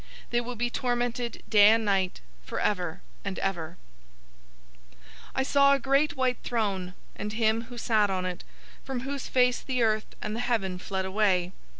They will be tormented day and night forever and ever. 020:011 I saw a great white throne, and him who sat on it, from whose face the earth and the heaven fled away.